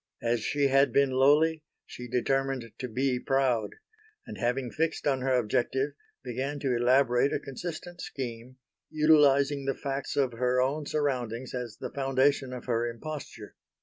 As she had been lowly she determined to be proud; and having fixed on her objective began to elaborate a consistent scheme, utilising the facts of her own surroundings as the foundation of her imposture.